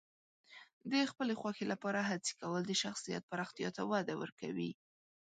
د خپلې خوښې لپاره هڅې کول د شخصیت پراختیا ته وده ورکوي.